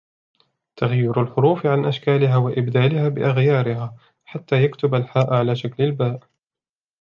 تَغْيِيرُ الْحُرُوفِ عَنْ أَشْكَالِهَا وَإِبْدَالِهَا بِأَغْيَارِهَا حَتَّى يَكْتُبَ الْحَاءَ عَلَى شَكْلِ الْبَاءِ